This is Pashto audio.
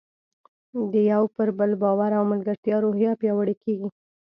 د یو پر بل باور او ملګرتیا روحیه پیاوړې کیږي.